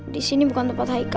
disini bukan tempat haikal